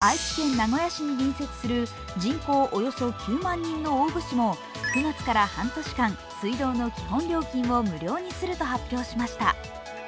更に、昨日、愛知県名古屋市に隣接する人口およそ９万人の大府市も９月から半年間、水道の基本料金を無料にすると発表しました。